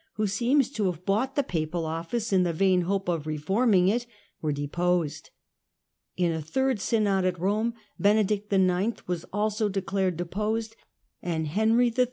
who seems to have bought the papal office in the vain hope of reforming it, were deposed. In a third Synod at Rome Benedict IX. was also declared deposed and Henry III.